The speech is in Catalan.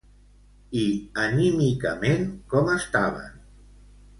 I anímicament com estaven?